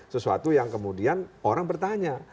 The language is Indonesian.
sesuatu yang kemudian orang bertanya